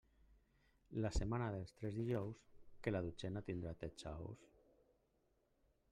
La setmana dels tres dijous, que la dotzena tindrà tretze ous.